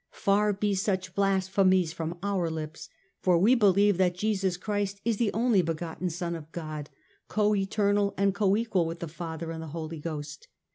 Far be such blas phemy from our lips, for we believe that Jesus Christ is the only begotten Son of God, co eternal and co equal with the Father and the Holy Ghost.